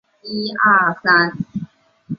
范百禄人。